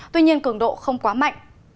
tuy nhiên cường độ không quá mạnh